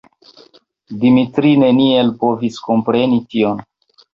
Dimitri neniel povis kompreni tion.